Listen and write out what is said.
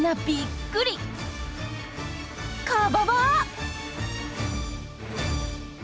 カババッ！